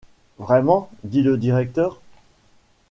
Vraiment ? dit le directeur.